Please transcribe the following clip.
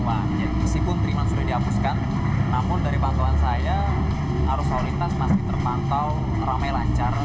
meskipun tiga in satu sudah dihapuskan namun dari pantauan saya arus lalu lintas masih terpantau rame lancar